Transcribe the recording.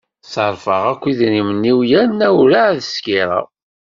Ṣerrfeɣ akk idrimen-iw yerna ur ɛad skiṛeɣ